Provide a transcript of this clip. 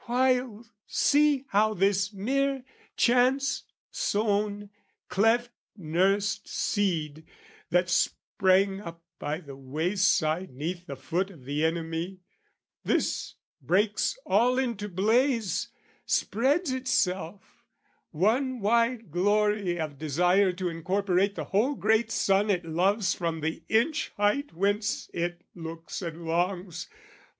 While see how this mere chance sown, cleft nursed seed, That sprang up by the wayside 'neath the foot Of the enemy, this breaks all into blaze, Spreads itself, one wide glory of desire To incorporate the whole great sun it loves From the inch height whence it looks and longs!